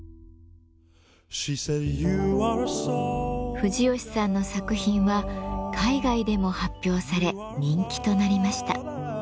藤吉さんの作品は海外でも発表され人気となりました。